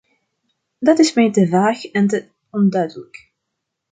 Dat is mij te vaag en te onduidelijk.